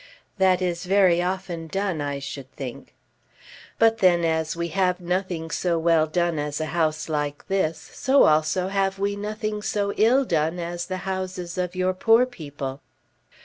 "That is very often done, I should think." "But then as we have nothing so well done as a house like this, so also have we nothing so ill done as the houses of your poor people."